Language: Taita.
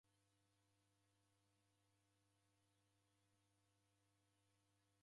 Iyo nguw'o yeka ni ndini